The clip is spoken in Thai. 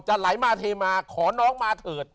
ไหลมาเทมาขอน้องมาเถิด